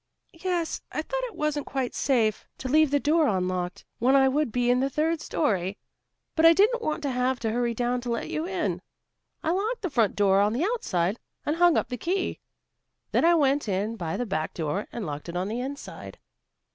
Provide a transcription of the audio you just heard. "Yes. I thought it wasn't quite safe to leave the door unlocked, when I would be in the third story, but I didn't want to have to hurry down to let you in. I locked the front door on the outside, and hung up the key. Then I went in by the back door and locked it on the inside."